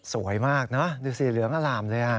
สวยมากนะดูสิเหลืองอร่ามเลย